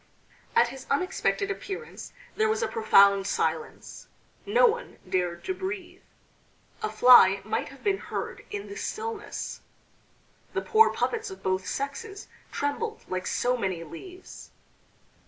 At his unexpected appearance there was a profound silence: no one dared to breathe. A fly might have been heard in the stillness. The poor puppets of both sexes trembled like so many leaves.